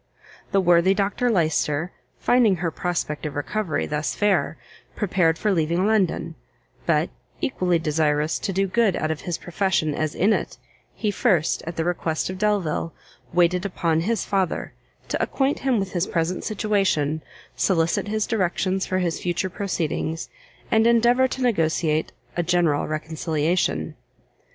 The worthy Dr Lyster, finding her prospect of recovery thus fair, prepared for leaving London: but, equally desirous to do good out of his profession as in it, he first, at the request of Delvile, waited upon his father, to acquaint him with his present situation, solicit his directions for his future proceedings, and endeavour to negociate a general reconciliation.